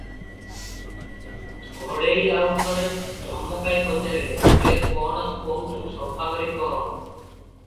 ଘଡ଼େଇ ଆଉ ଥରେ ଧମକାଇ ପଚାରିଲେ, "ରେ, କଣ କହୁଛୁ ସଫା କରି କହ ।"